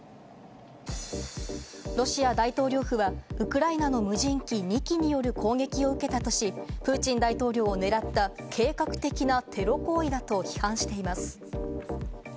ロシア大統領府はウクライナの無人機２機による攻撃を受けたとし、プーチン大統領をねらった計画的なテロ行為だと批判しています。